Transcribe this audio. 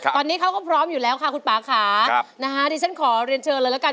ตอนนี้เขาก็พร้อมอยู่แล้วค่ะคุณป่าค่ะนะฮะดิฉันขอเรียนเชิญเลยละกัน